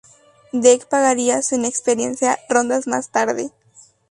Dake pagaría su inexperiencia rondas más tarde.